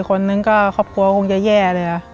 คนหนึ่งขอบคุณก็จะแย่